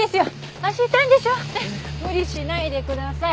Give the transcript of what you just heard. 無理しないでください。